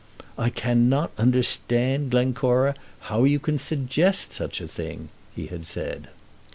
"I cannot understand, Glencora, how you can suggest such a thing," he had said.